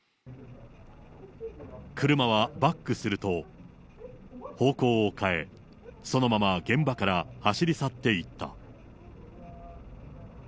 車はバックすると、方向を変え、そのまま現場から走り去っていった。